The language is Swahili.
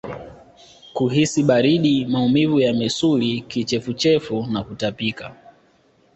Kuhisi baridi maumivu ya misuli kichefuchefu na kutapika